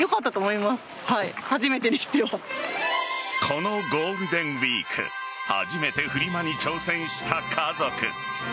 このゴールデンウイーク初めてフリマに挑戦した家族。